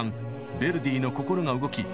ヴェルディの心が動き